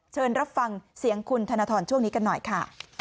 เชิญรับฟังเสียงคุณธนทรช่วงนี้กันหน่อยค่ะ